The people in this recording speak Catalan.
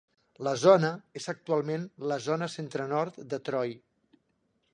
La zona és actualment la zona centre-nord de Troy.